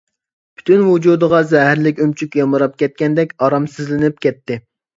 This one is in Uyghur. پۈتۈن ۋۇجۇدىغا زەھەرلىك ئۆمۈچۈك يامراپ كەتكەندەك ئارامسىزلىنىپ كەتتى.